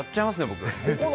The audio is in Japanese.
僕。